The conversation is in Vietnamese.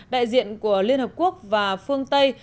đại diện của liên hợp quốc và phương tây